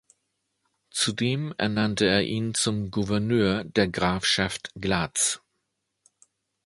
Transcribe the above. Zudem ernannte er ihn zum Gouverneur der Grafschaft Glatz.